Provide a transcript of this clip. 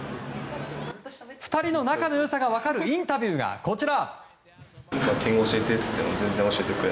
２人の仲の良さが分かるインタビューが、こちら。